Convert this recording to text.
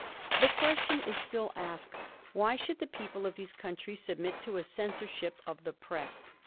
The question is still asked, Why should the people of these countries submit to a censor ship of the press